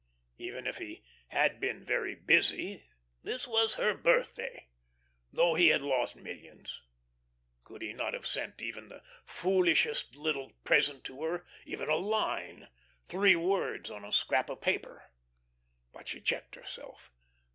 Even if he had been very busy, this was her birthday, though he had lost millions! Could he not have sent even the foolishest little present to her, even a line three words on a scrap of paper? But she checked herself.